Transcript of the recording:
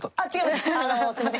すいません。